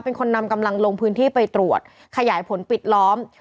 เป็นคนนำกำลังลงพื้นที่ไปตรวจขยายผลปิดล้อม